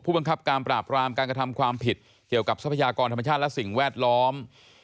บังคับการปราบรามการกระทำความผิดเกี่ยวกับทรัพยากรธรรมชาติและสิ่งแวดล้อม